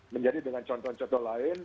menjadi dengan contoh contoh lain